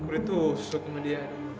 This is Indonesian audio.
ditusuk sama dia